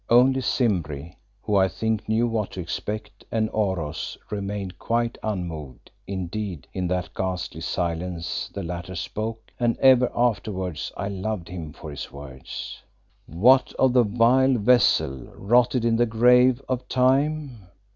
Only Simbri, who, I think, knew what to expect, and Oros remained quite unmoved; indeed, in that ghastly silence the latter spoke, and ever afterwards I loved him for his words. "What of the vile vessel, rotted in the grave of time?